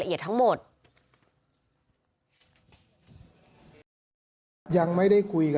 ไม่เคยได้มาพูดคุยถามอาการของลูกหนู